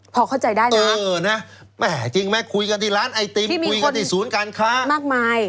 พอเข้าใจได้นะเออนะแม่จริงไหมคุยกันที่ร้านไอติมคุยกันที่ศูนย์การค้ามากมาย